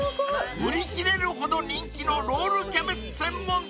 ［売り切れるほど人気のロールキャベツ専門店］